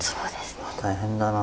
大変だなあ。